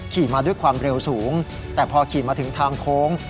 ขี่มาด้วยความเร็วสูงแต่พอขี่มาถึงทางโค้ง